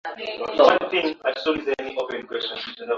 jina langu ni pendo pondo